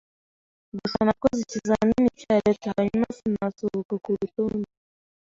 Gusa nakoze ikizamini cya leta, hanyuma sinasohoka ku rutonde